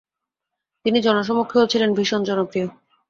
তিনি জনসমক্ষেও ছিলেন ভীষণ জনপ্রিয়।